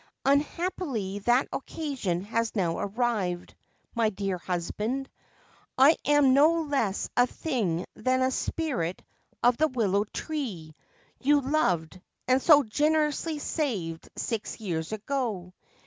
Unhappily, that occasion has now arrived, my dear husband. I am no less a thing than the spirit of the willow tree you loved, and so generously saved six years ago.